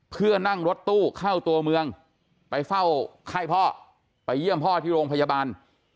เพื่อนั่งรถตู้เข้าตัวเมืองไปเฝ้าไข้พ่อไปเยี่ยมพ่อที่โรงพยาบาล